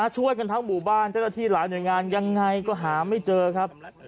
ช่วยกันทั้งหมู่บ้านเจ้าหน้าที่หลายหน่วยงานยังไงก็หาไม่เจอครับ